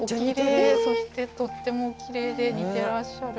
そしてとてもおきれいで似てらっしゃる。